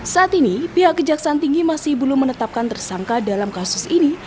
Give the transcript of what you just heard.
saat ini pihak kejaksaan tinggi masih belum menetapkan tersangka dalam kasus ini